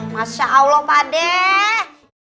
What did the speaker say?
masya allah padeh